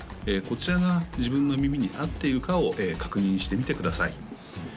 こちらが自分の耳に合っているかを確認してみてください